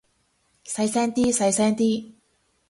細聲啲，細聲啲